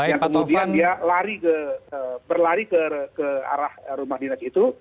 yang kemudian dia berlari ke arah rumah dinas itu